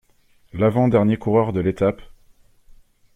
L’avant-dernier coureur de l’étape.